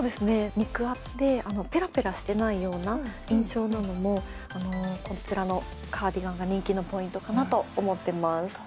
肉厚でぺらぺらしてないような印象なのも、こちらのカーディガンが人気のポイントかなと思ってます。